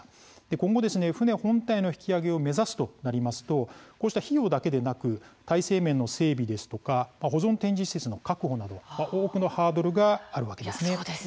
今後船本体の引き揚げを目指すとなりますとこうした費用だけでなく体制面の整備ですとか保存・展示施設の確保など多くのハードルがあるわけですね。